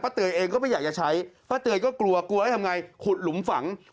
เตยเองก็ไม่อยากจะใช้ป้าเตยก็กลัวกลัวให้ทำไงขุดหลุมฝัง